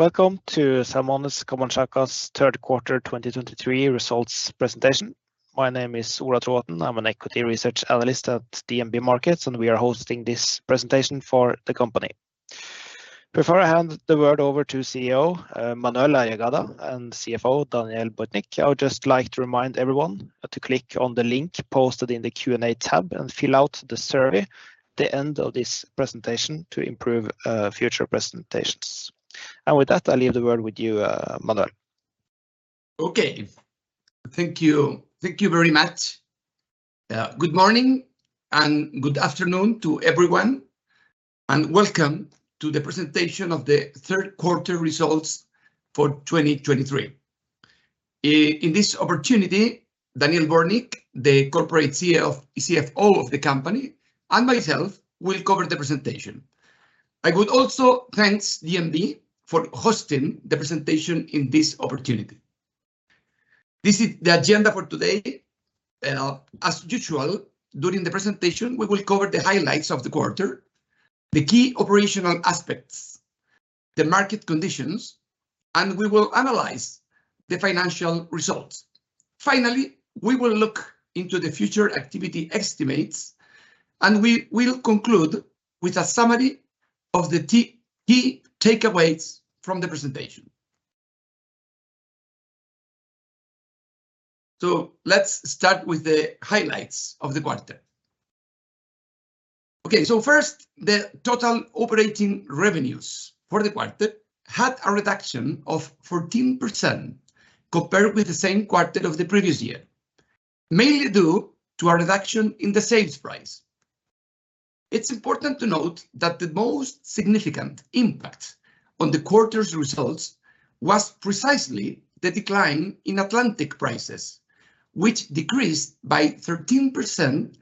Welcome to Salmones Camanchaca's third quarter 2023 results presentation. My name is Ola Trovatn. I'm an equity research analyst at DNB Markets, and we are hosting this presentation for the company. Before I hand the word over to CEO Manuel Arriagada and CFO Daniel Bortnik, I would just like to remind everyone to click on the link posted in the Q&A tab and fill out the survey at the end of this presentation to improve future presentations. With that, I leave the word with you, Manuel. Okay. Thank you. Thank you very much. Good morning and good afternoon to everyone, and welcome to the presentation of the third quarter results for 2023. In this opportunity, Daniel Bortnik, the Corporate CFO of the company, and myself will cover the presentation. I would also thank DNB for hosting the presentation in this opportunity. This is the agenda for today. As usual, during the presentation, we will cover the highlights of the quarter, the key operational aspects, the market conditions, and we will analyze the financial results. Finally, we will look into the future activity estimates, and we will conclude with a summary of the key takeaways from the presentation. So let's start with the highlights of the quarter. Okay, so first, the total operating revenues for the quarter had a reduction of 14% compared with the same quarter of the previous year, mainly due to a reduction in the sales price. It's important to note that the most significant impact on the quarter's results was precisely the decline in Atlantic prices, which decreased by 13%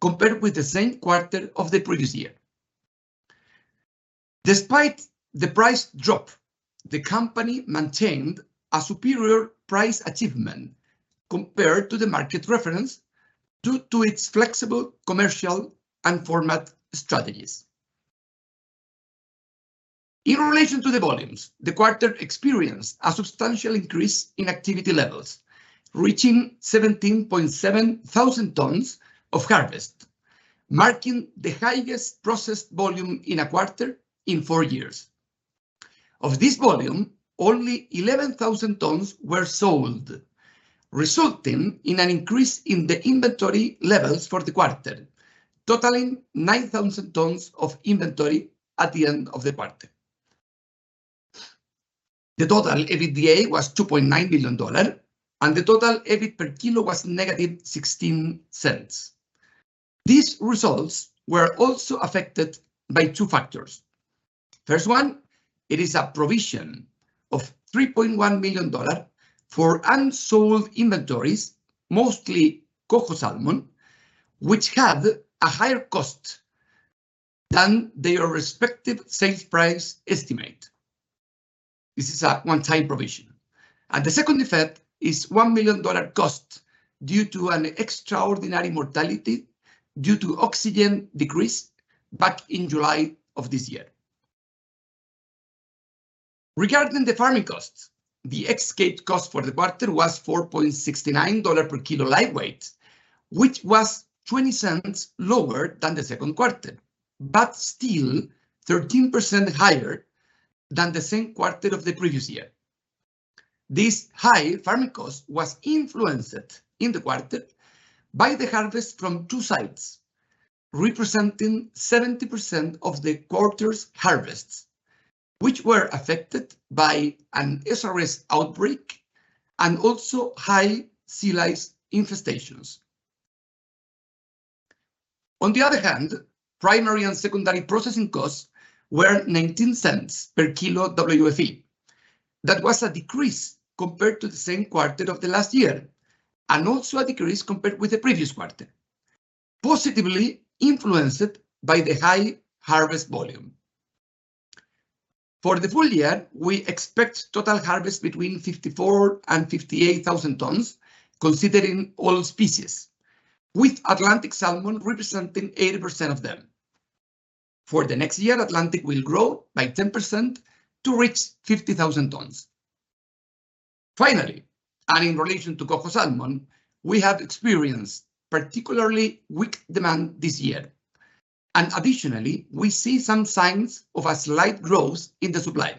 compared with the same quarter of the previous year. Despite the price drop, the company maintained a superior price achievement compared to the market reference, due to its flexible commercial and format strategies. In relation to the volumes, the quarter experienced a substantial increase in activity levels, reaching 17,700 tons of harvest, marking the highest processed volume in a quarter in four years. Of this volume, only 11,000 tons were sold, resulting in an increase in the inventory levels for the quarter, totaling 9,000 tons of inventory at the end of the quarter. The total EBITDA was $2.9 million, and the total EBIT per kilo was -$0.16. These results were also affected by two factors. First one, it is a provision of $3.1 million for unsold inventories, mostly Coho salmon, which had a higher cost than their respective sales price estimate. This is a one-time provision. The second effect is $1 million cost due to an extraordinary mortality due to oxygen decrease back in July of this year. Regarding the farming costs, the ex-cage cost for the quarter was $4.69 per kg live weight, which was $0.20 lower than the second quarter, but still 13% higher than the same quarter of the previous year. This high farming cost was influenced in the quarter by the harvest from two sites, representing 70% of the quarter's harvests, which were affected by an SRS outbreak and also high sea lice infestations. On the other hand, primary and secondary processing costs were $0.19 per kg WFE. That was a decrease compared to the same quarter of the last year, and also a decrease compared with the previous quarter, positively influenced by the high harvest volume. For the full year, we expect total harvest between 54,000 and 58,000 tons, considering all species, with Atlantic salmon representing 80% of them. For the next year, Atlantic will grow by 10% to reach 50,000 tons. Finally, and in relation to Coho salmon, we have experienced particularly weak demand this year, and additionally, we see some signs of a slight growth in the supply.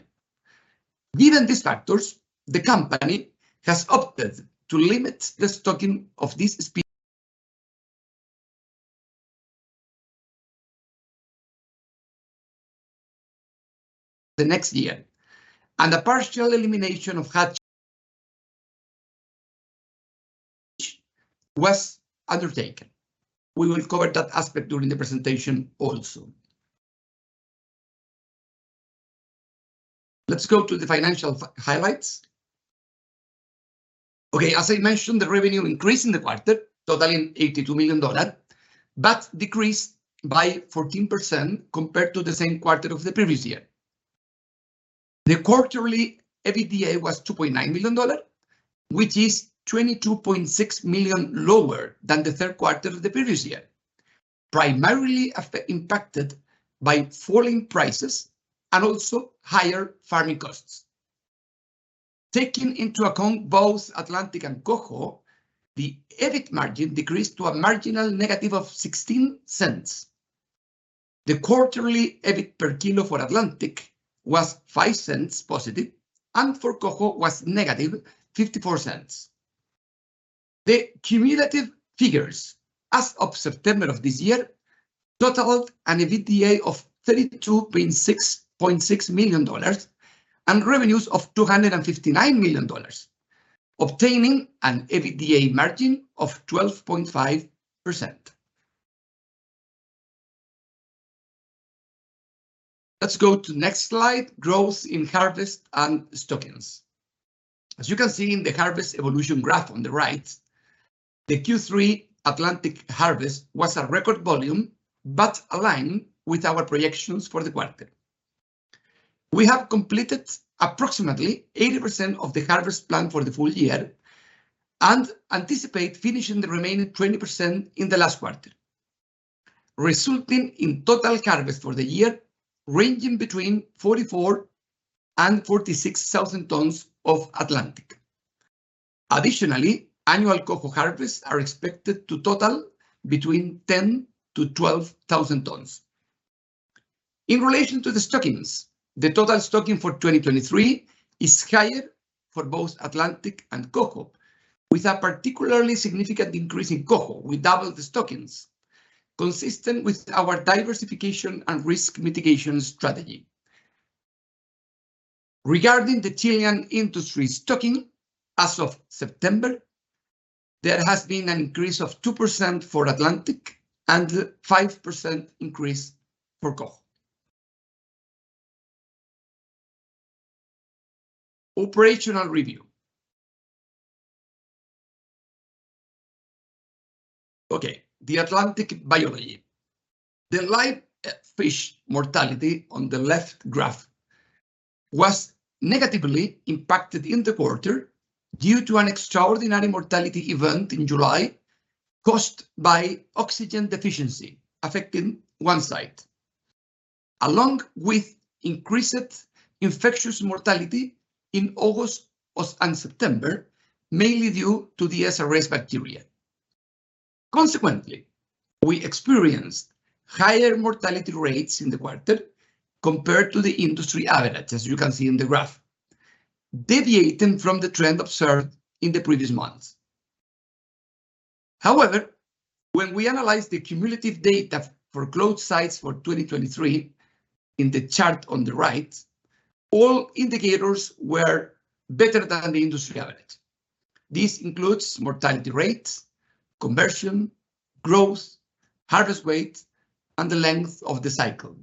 Given these factors, the company has opted to limit the stocking of this species the next year, and a partial elimination of hatcheries was undertaken. We will cover that aspect during the presentation also. Let's go to the financial highlights. Okay, as I mentioned, the revenue increased in the quarter, totaling $82 million, but decreased by 14% compared to the same quarter of the previous year. The quarterly EBITDA was $2.9 million, which is $22.6 million lower than the third quarter of the previous year, primarily impacted by falling prices and also higher farming costs. Taking into account both Atlantic and Coho, the EBIT margin decreased to a marginal negative of $0.16. The quarterly EBIT per kilo for Atlantic was +$0.05, and for Coho was -$0.54. The cumulative figures, as of September of this year, totaled an EBITDA of $32.66 million, and revenues of $259 million, obtaining an EBITDA margin of 12.5%. Let's go to next slide, growth in harvest and stockings. As you can see in the harvest evolution graph on the right, the Q3 Atlantic harvest was a record volume, but aligned with our projections for the quarter. We have completed approximately 80% of the harvest plan for the full year, and anticipate finishing the remaining 20% in the last quarter, resulting in total harvest for the year ranging between 44,000-46,000 tons of Atlantic. Additionally, annual Coho harvests are expected to total between 10,000-12,000 tons. In relation to the stockings, the total stocking for 2023 is higher for both Atlantic and Coho, with a particularly significant increase in Coho. We doubled the stockings, consistent with our diversification and risk mitigation strategy. Regarding the Chilean industry stocking, as of September, there has been an increase of 2% for Atlantic and 5% increase for Coho. Operational review. Okay, the Atlantic biology. The live fish mortality on the left graph was negatively impacted in the quarter due to an extraordinary mortality event in July, caused by oxygen deficiency, affecting one site. Along with increased infectious mortality in August and September, mainly due to the SRS bacteria. Consequently, we experienced higher mortality rates in the quarter compared to the industry average, as you can see in the graph, deviating from the trend observed in the previous months. However, when we analyze the cumulative data for closed sites for 2023, in the chart on the right, all indicators were better than the industry average. This includes mortality rates, conversion, growth, harvest weight, and the length of the cycle,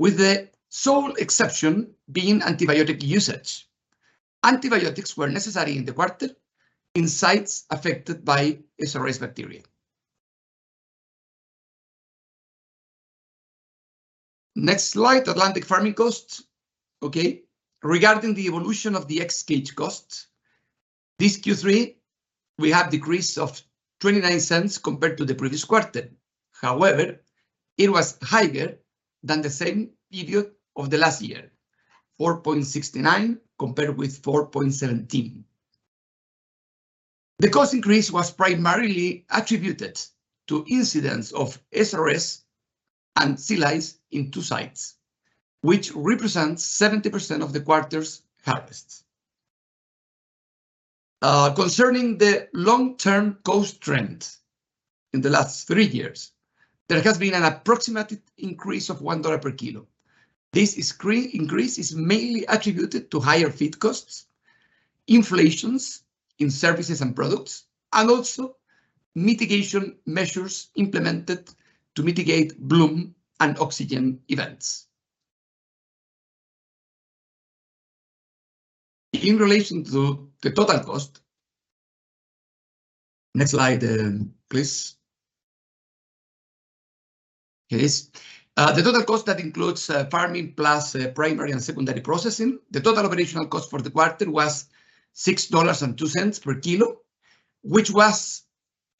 with the sole exception being antibiotic usage. Antibiotics were necessary in the quarter in sites affected by SRS bacteria. Next slide, Atlantic farming costs. Okay, regarding the evolution of the ex-cage costs, this Q3, we have decrease of $0.29 compared to the previous quarter. However, it was higher than the same period of the last year, $4.69 compared with $4.17. The cost increase was primarily attributed to incidents of SRS and sea lice in two sites, which represents 70% of the quarter's harvests. Concerning the long-term cost trends in the last three years, there has been an approximate increase of $1 per kilo. This increase is mainly attributed to higher feed costs, inflations in services and products, and also mitigation measures implemented to mitigate bloom and oxygen events. In relation to the total cost... Next slide, please. Please. The total cost that includes farming plus primary and secondary processing, the total operational cost for the quarter was $6.02 per kilo, which was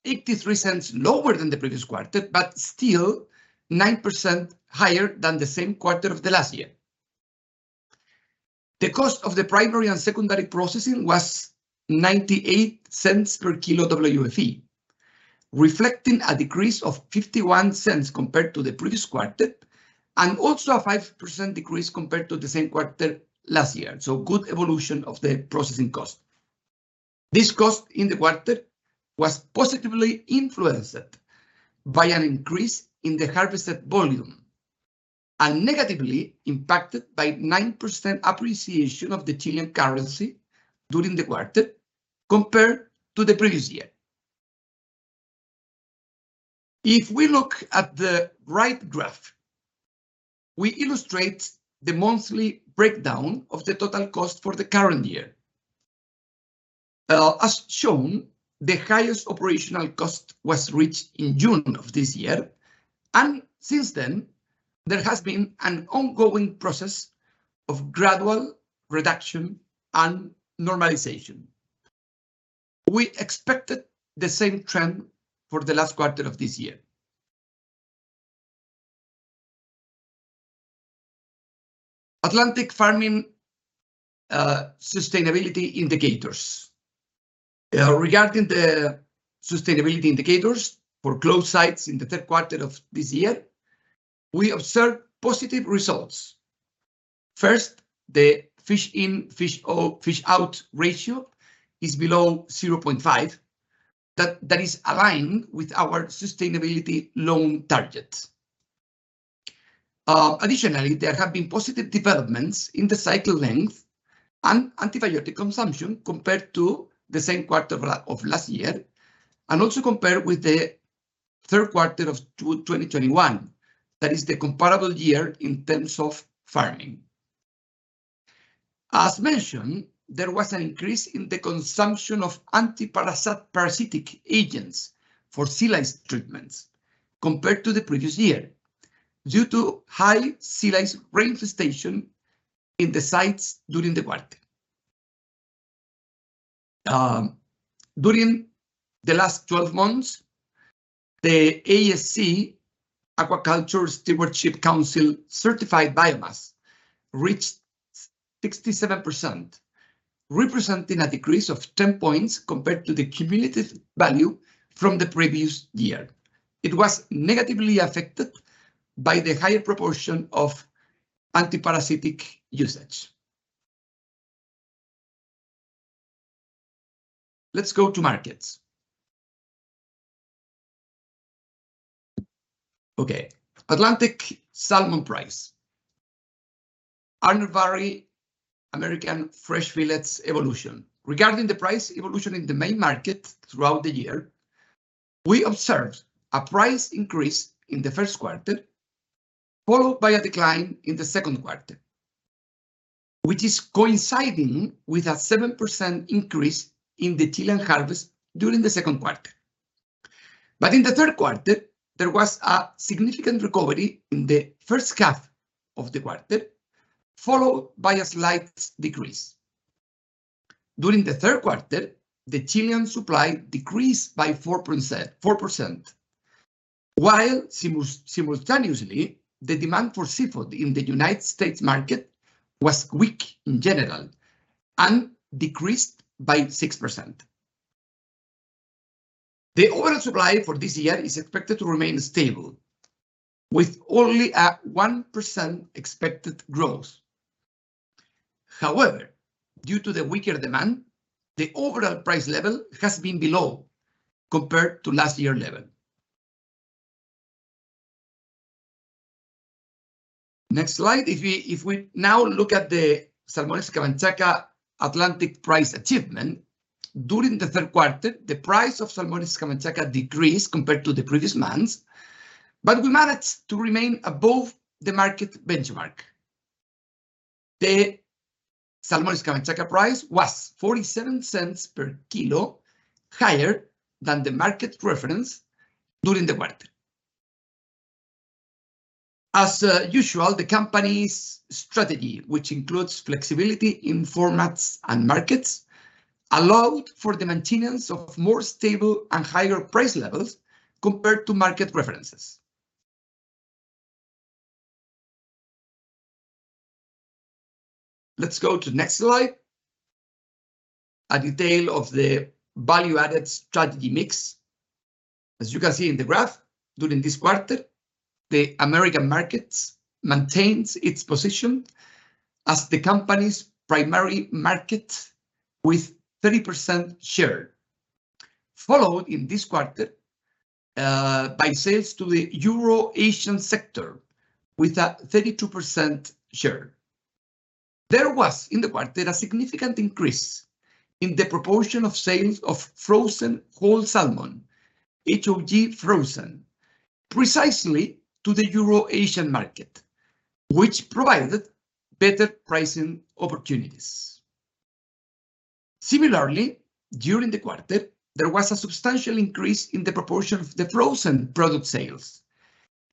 $0.83 lower than the previous quarter, but still 9% higher than the same quarter of the last year. The cost of the primary and secondary processing was $0.98 per kilo WFE, reflecting a decrease of $0.51 compared to the previous quarter, and also a 5% decrease compared to the same quarter last year, so good evolution of the processing cost. This cost in the quarter was positively influenced by an increase in the harvested volume, and negatively impacted by 9% appreciation of the Chilean currency during the quarter compared to the previous year. If we look at the right graph, we illustrate the monthly breakdown of the total cost for the current year. As shown, the highest operational cost was reached in June of this year, and since then, there has been an ongoing process of gradual reduction and normalization. We expected the same trend for the last quarter of this year. Atlantic Farming, sustainability indicators. Regarding the sustainability indicators for closed sites in the third quarter of this year, we observed positive results. First, the fish in, fish out ratio is below 0.5. That, that is aligned with our sustainability long targets. Additionally, there have been positive developments in the cycle length and antibiotic consumption compared to the same quarter of last year, and also compared with the third quarter of 2021. That is the comparable year in terms of farming. As mentioned, there was an increase in the consumption of antiparasitic agents for sea lice treatments compared to the previous year, due to high sea lice reinfestation in the sites during the quarter. During the last 12 months, the ASC, Aquaculture Stewardship Council certified biomass, reached 67%, representing a decrease of 10 points compared to the cumulative value from the previous year. It was negatively affected by the higher proportion of antiparasitic usage. Let's go to markets. Okay, Atlantic salmon price. North American fresh fillets evolution. Regarding the price evolution in the main market throughout the year, we observed a price increase in the first quarter, followed by a decline in the second quarter, which is coinciding with a 7% increase in the Chilean harvest during the second quarter. But in the third quarter, there was a significant recovery in the first half of the quarter, followed by a slight decrease. During the third quarter, the Chilean supply decreased by 4%, 4%, while simultaneously, the demand for seafood in the United States market was weak in general and decreased by 6%. The overall supply for this year is expected to remain stable, with only a 1% expected growth. However, due to the weaker demand, the overall price level has been below compared to last year level. Next slide. If we, if we now look at the Salmones Camanchaca Atlantic price achievement, during the third quarter, the price of Salmones Camanchaca decreased compared to the previous months, but we managed to remain above the market benchmark. The Salmones Camanchaca price was $0.47 per kilo higher than the market reference during the quarter. As usual, the company's strategy, which includes flexibility in formats and markets, allowed for the maintenance of more stable and higher price levels compared to market references. Let's go to next slide. A detail of the value-added strategy mix. As you can see in the graph, during this quarter, the American markets maintains its position as the company's primary market with 30% share, followed in this quarter, by sales to the Euro-Asian sector with a 32% share. There was, in the quarter, a significant increase in the proportion of sales of frozen whole salmon, HOG frozen, precisely to the Euro-Asian market, which provided better pricing opportunities. Similarly, during the quarter, there was a substantial increase in the proportion of the frozen product sales,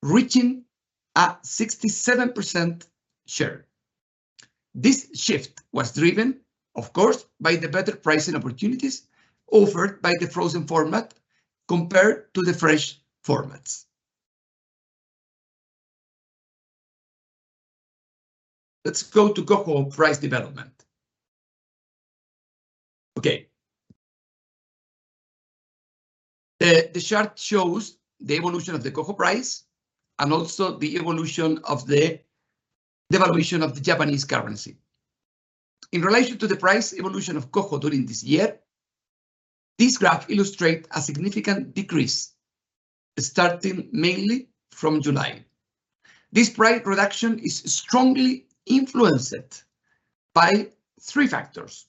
reaching a 67% share. This shift was driven, of course, by the better pricing opportunities offered by the frozen format compared to the fresh formats. Let's go to Coho price development. Okay. The chart shows the evolution of the Coho price and also the evolution of the devaluation of the Japanese currency. In relation to the price evolution of Coho during this year, this graph illustrate a significant decrease, starting mainly from July. This price reduction is strongly influenced by three factors.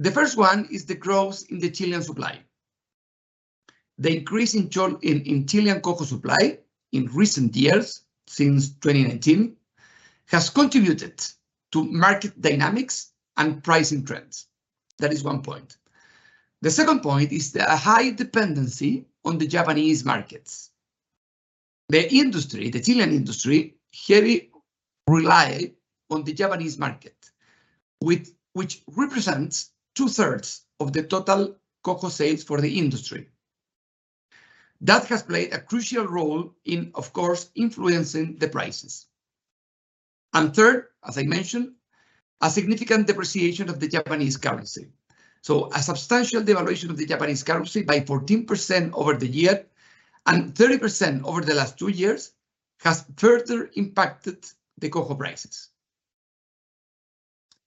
The first one is the growth in the Chilean supply. The increase in Chilean Coho supply in recent years, since 2019, has contributed to market dynamics and pricing trends. That is one point. The second point is the high dependency on the Japanese markets.... the industry, the Chilean industry, heavy rely on the Japanese market, with which represents two-thirds of the total Coho sales for the industry. That has played a crucial role in, of course, influencing the prices. And third, as I mentioned, a significant depreciation of the Japanese currency. So a substantial devaluation of the Japanese currency by 14% over the year and 30% over the last two years, has further impacted the Coho prices.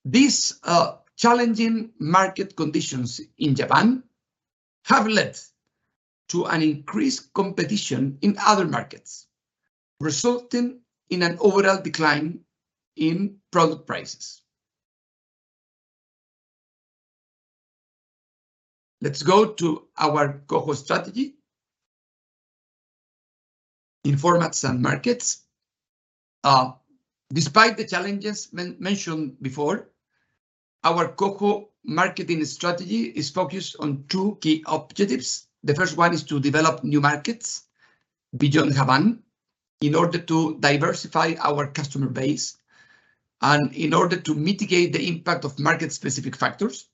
These, challenging market conditions in Japan have led to an increased competition in other markets, resulting in an overall decline in product prices. Let's go to our Coho strategy in formats and markets. Despite the challenges mentioned before, our Coho marketing strategy is focused on two key objectives. The first one is to develop new markets beyond Japan, in order to diversify our customer base, and in order to mitigate the impact of market-specific factors.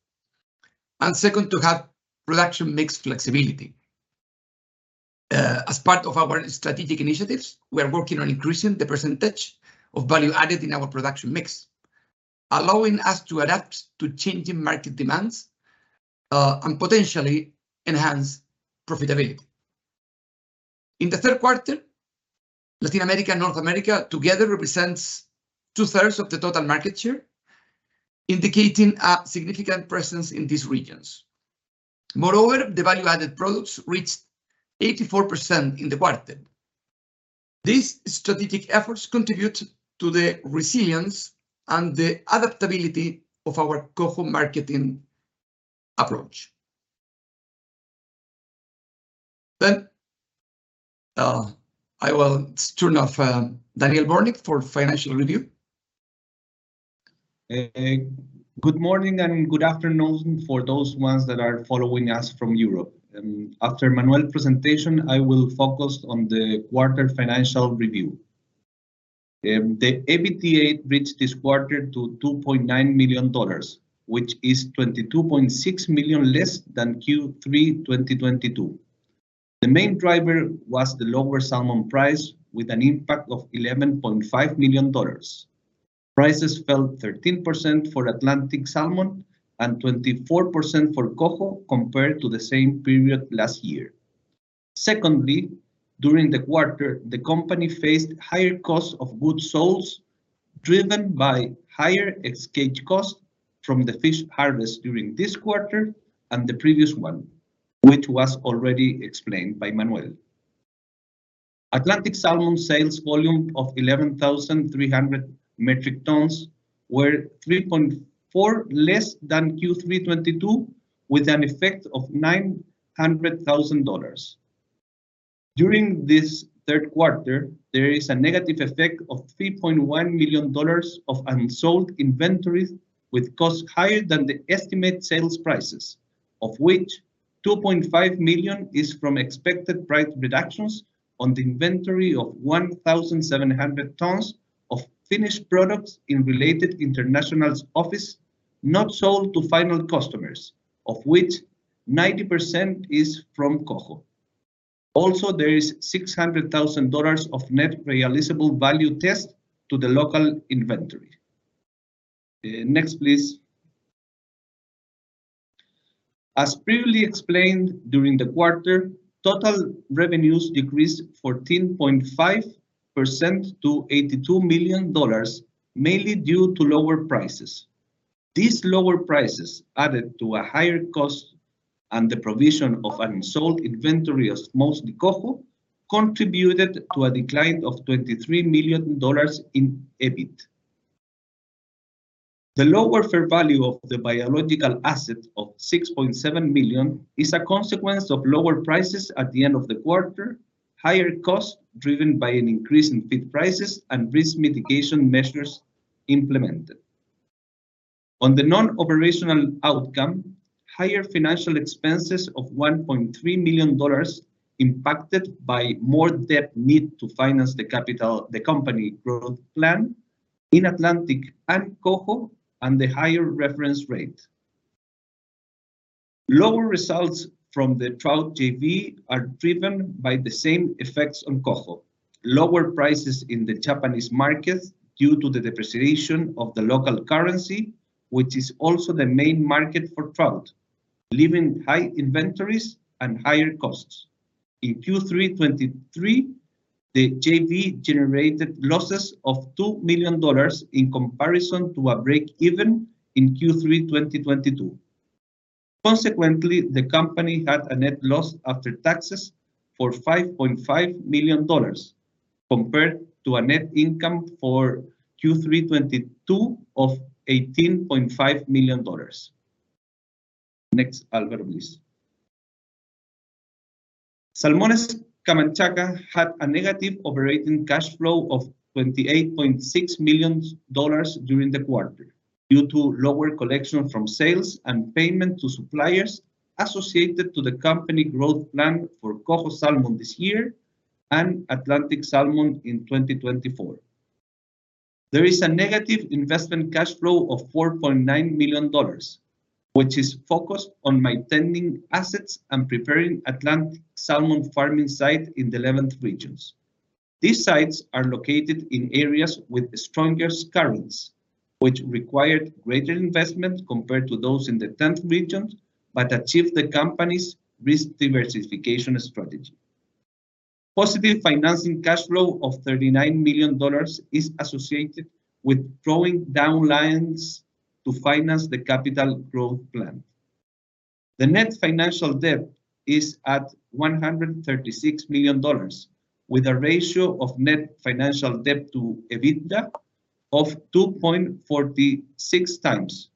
And second, to have production mix flexibility. As part of our strategic initiatives, we are working on increasing the percentage of value added in our production mix, allowing us to adapt to changing market demands, and potentially enhance profitability. In the third quarter, Latin America and North America together represents two-thirds of the total market share, indicating a significant presence in these regions. Moreover, the value-added products reached 84% in the quarter. These strategic efforts contribute to the resilience and the adaptability of our Coho marketing approach. Then, I will turn off, Daniel Bortnik for financial review. Good morning, and good afternoon for those ones that are following us from Europe. After Manuel's presentation, I will focus on the quarter financial review. The EBITDA reached this quarter to $2.9 million, which is $22.6 million less than Q3 2022. The main driver was the lower salmon price, with an impact of $11.5 million. Prices fell 13% for Atlantic salmon and 24% for Coho, compared to the same period last year. Secondly, during the quarter, the company faced higher costs of goods sold, driven by higher ex-cage costs from the fish harvest during this quarter and the previous one, which was already explained by Manuel. Atlantic salmon sales volume of 11,300 metric tons were 3.4% less than Q3 2022, with an effect of $900,000. During this third quarter, there is a negative effect of $3.1 million of unsold inventories, with costs higher than the estimated sales prices, of which $2.5 million is from expected price reductions on the inventory of 1,700 tons of finished products in related international office, not sold to final customers, of which 90% is from Coho. Also, there is $600,000 of net realizable value test to the local inventory. Next, please. As previously explained, during the quarter, total revenues decreased 14.5% to $82 million, mainly due to lower prices. These lower prices, added to a higher cost and the provision of unsold inventory of mostly Coho, contributed to a decline of $23 million in EBIT. The lower fair value of the biological asset of $6.7 million is a consequence of lower prices at the end of the quarter, higher costs driven by an increase in feed prices and risk mitigation measures implemented. On the non-operational outcome, higher financial expenses of $1.3 million, impacted by more debt need to finance the capital, the company growth plan in Atlantic and Coho, and the higher reference rate. Lower results from the Trout JV are driven by the same effects on Coho. Lower prices in the Japanese market due to the depreciation of the local currency, which is also the main market for trout, leaving high inventories and higher costs. In Q3 2023, the JV generated losses of $2 million in comparison to a break-even in Q3 2022. Consequently, the company had a net loss after taxes of $5.5 million, compared to a net income for Q3 2022 of $18.5 million. Next, Alvaro, please. Salmones Camanchaca had a negative operating cash flow of $28.6 million during the quarter, due to lower collection from sales and payment to suppliers associated to the company growth plan for Coho salmon this year, and Atlantic salmon in 2024. There is a negative investment cash flow of $4.9 million, which is focused on maintaining assets and preparing Atlantic salmon farming site in the 11th Region. These sites are located in areas with stronger currents, which required greater investment compared to those in the 10th Region, but achieve the company's risk diversification strategy. Positive financing cash flow of $39 million is associated with drawing down lines to finance the capital growth plan. The net financial debt is at $136 million, with a ratio of net financial debt to EBITDA of 2.46x,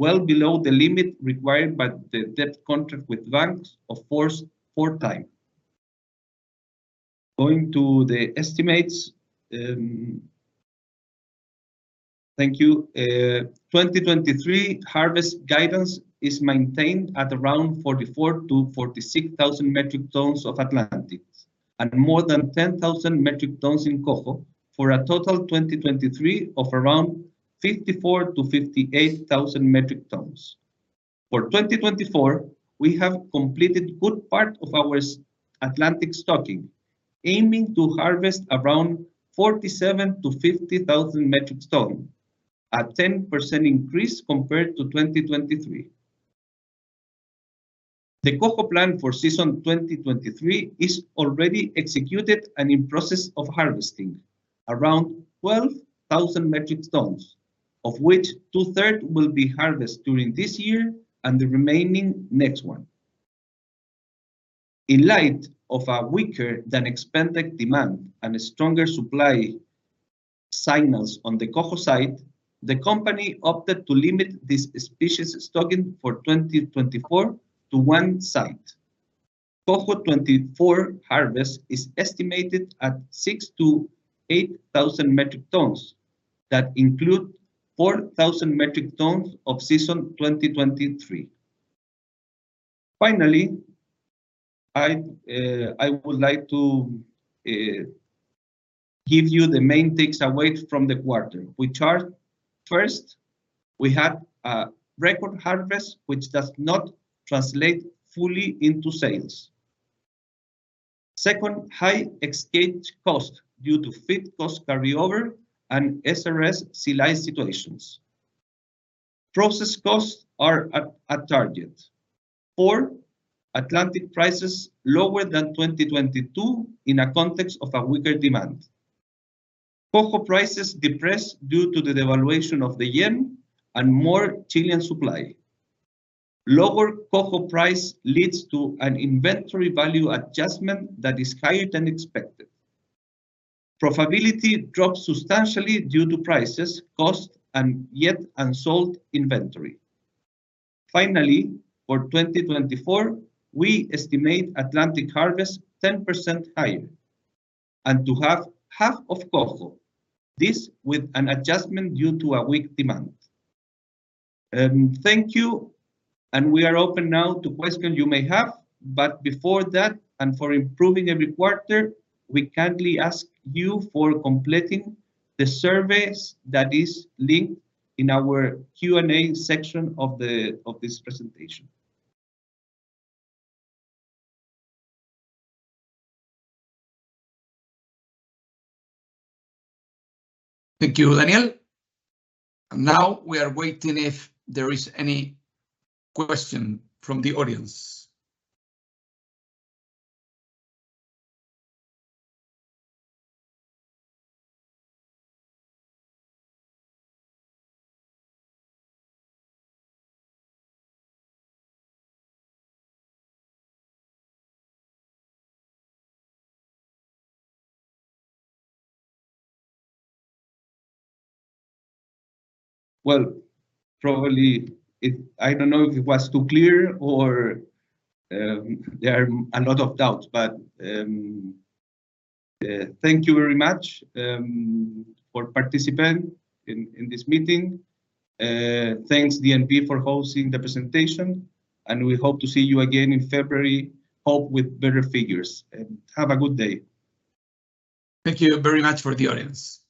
well below the limit required by the debt contract with banks of course, 4x. Going to the estimates. 2023 harvest guidance is maintained at around 44,000-46,000 metric tons of Atlantics, and more than 10,000 metric tons in coho, for a total 2023 of around 54,000-58,000 metric tons. For 2024, we have completed good part of our Atlantic stocking, aiming to harvest around 47,000-50,000 metric ton, a 10% increase compared to 2023. The coho plan for season 2023 is already executed and in process of harvesting. Around 12,000 metric tons, of which two third will be harvested during this year, and the remaining, next one. In light of a weaker-than-expected demand and stronger supply signals on the coho side, the company opted to limit this species stocking for 2024 to one site. Coho '24 harvest is estimated at 6,000-8,000 metric tons, that include 4,000 metric tons of season 2023. Finally, I would like to give you the main takeaways from the quarter. Which are, first, we had a record harvest, which does not translate fully into sales. Second, high ex-cage cost due to feed cost carryover and SRS sea lice situations. Process costs are at target. Four, Atlantic prices lower than 2022 in a context of a weaker demand. Coho prices depressed due to the devaluation of the yen and more Chilean supply. Lower coho price leads to an inventory value adjustment that is higher than expected. Profitability dropped substantially due to prices, cost, and yet unsold inventory. Finally, for 2024, we estimate Atlantic harvest 10% higher, and to have half of coho, this with an adjustment due to a weak demand. Thank you, and we are open now to questions you may have. Before that, and for improving every quarter, we kindly ask you for completing the surveys that is linked in our Q&A section of this presentation. Thank you, Daniel. Now we are waiting if there is any question from the audience. Well, probably I don't know if it was too clear or there are a lot of doubts, but thank you very much for participating in this meeting. Thanks DNB for hosting the presentation, and we hope to see you again in February, hope with better figures. Have a good day. Thank you very much for the audience.